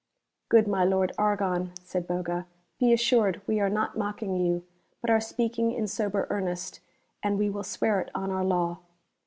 ^' Good my Lord Argon," said Boga, " be assured we are not mocking you, but are speaking in sober earnest, and we will swear it on our Law."